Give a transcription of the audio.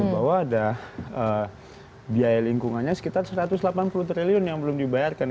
bahwa ada biaya lingkungannya sekitar satu ratus delapan puluh triliun yang belum dibayarkan